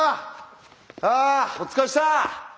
あお疲れっした！